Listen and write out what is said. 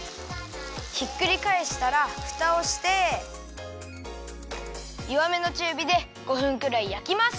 ひっくりかえしたらふたをしてよわめのちゅうびで５分くらいやきます。